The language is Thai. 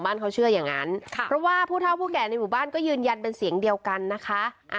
เพราะว่าผู้เท่าผู้แก่ในหมู่บ้านก็ยืนยันเป็นเสียงเดียวกันนะคะ